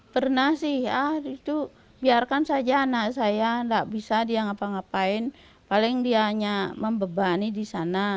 pernah sih ah itu biarkan saja anak saya nggak bisa dia ngapa ngapain paling dia hanya membebani di sana